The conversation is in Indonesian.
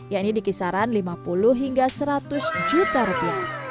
yakni dikisaran lima puluh hingga seratus juta rupiah